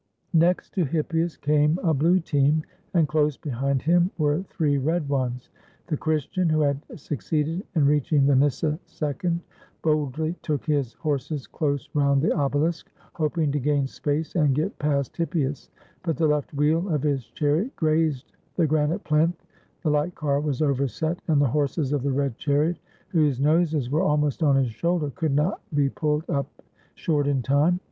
Next to Hippias came a blue team, and close behind him were three red ones. The Christian who had suc ceeded in reaching the nyssa second, boldly took his horses close round the obelisk, hoping to gain space and get past Hippias ; but the left wheel of his chariot grazed the granite plinth, the light car was overset, and the horses of the red chariot, whose noses were almost on his shoulder, could not be pulled up short in time.